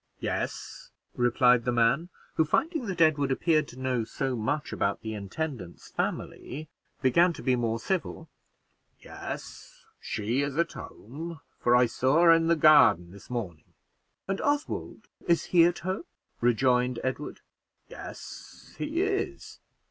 "Yes," replied the man, who, finding that Edward appeared to know so much about the intendant's family, began to be more civil. "Yes, she is at home, for I saw her in the garden this morning." "And Oswald, is he at home?" rejoined Edward. "Yes, he is.